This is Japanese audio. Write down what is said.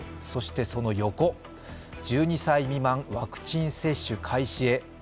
そしてその横、１２歳未満、ワクチン接種開始へ。